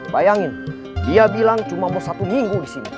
bayangin dia bilang cuma mau satu minggu di sini